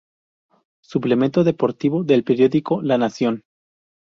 Suplemento Deportivo del Periódico La Nación.